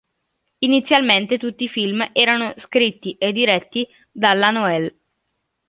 Inizialmente tutti i film erano scritti e diretti dalla Noelle.